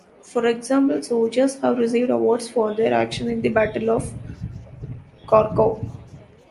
For example, soldiers have received awards "for their action in the Battle of Kharkov".